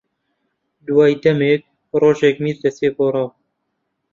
دوای دەمێک ڕۆژێک میر دەچێ بۆ ڕاو